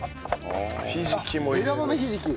枝豆ひじき？